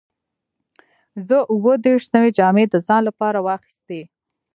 زه اووه دیرش نوې جامې د ځان لپاره واخیستې.